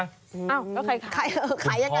อ้าวขายยังไง